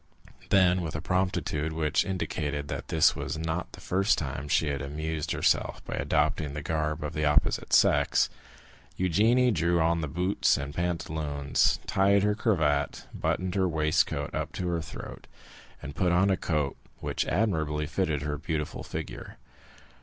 Then, with a promptitude which indicated that this was not the first time she had amused herself by adopting the garb of the opposite sex, Eugénie drew on the boots and pantaloons, tied her cravat, buttoned her waistcoat up to the throat, and put on a coat which admirably fitted her beautiful figure.